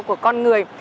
của con người